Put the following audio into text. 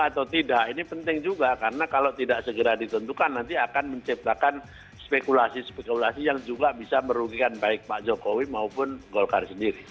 atau tidak ini penting juga karena kalau tidak segera ditentukan nanti akan menciptakan spekulasi spekulasi yang juga bisa merugikan baik pak jokowi maupun golkar sendiri